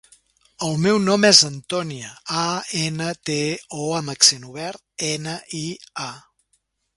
El meu nom és Antònia: a, ena, te, o amb accent obert, ena, i, a.